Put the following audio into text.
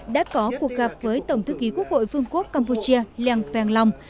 đã có cuộc gặp với tổng thư ký quốc hội vương quốc campuchia liang peng long